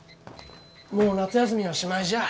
もう夏休みはしまいじゃあ。